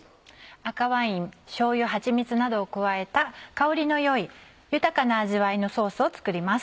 赤ワインしょうゆはちみつなどを加えた香りの良い豊かな味わいのソースを作ります。